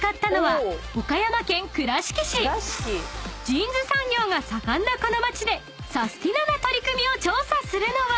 ［ジーンズ産業が盛んなこの町でサスティなな取り組みを調査するのは］